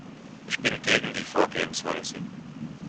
Ich bin gegen die Vorgehensweise.